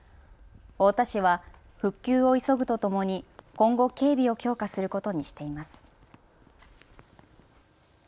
太田市は復旧を急ぐとともに今後、警備を強化することにしています。